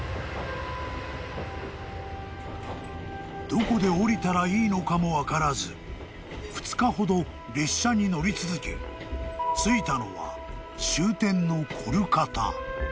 ［どこで降りたらいいのかも分からず２日ほど列車に乗り続け着いたのは終点のコルカタ］